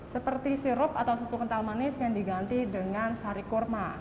seperti sirup atau susu kental manis yang diganti dengan sari kurma